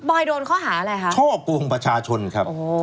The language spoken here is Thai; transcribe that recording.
บอยโดนเขาหาอะไรครับช่อโกงประชาชนครับ